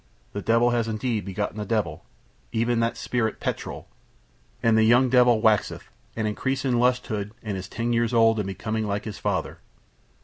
The devil has indeed begotten a devil, even that spirit Petrol. And the young devil waxeth, and increaseth in lustihood and is ten years old and becoming like to his father.